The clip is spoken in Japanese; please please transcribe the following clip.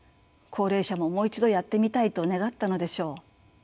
高齢者ももう一度やってみたいと願ったのでしょう。